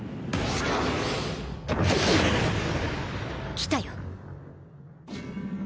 来たよ。